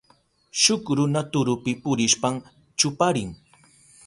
Shuk runa turupi purishpan chuparin.